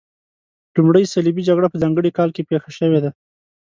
لومړۍ صلیبي جګړه په ځانګړي کال کې پیښه شوې ده.